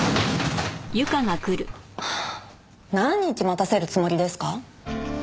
何日待たせるつもりですか？